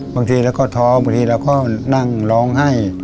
บางทีเราก็ท้อบางทีเราก็นั่งร้องไห้